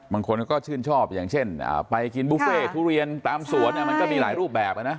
บางคนก็ชื่นชอบอย่างเช่นไปกินบุฟเฟ่ทุเรียนตามสวนมันก็มีหลายรูปแบบนะ